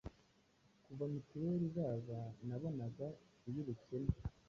kuva mituweli zaza nabonaga iy’ubukene,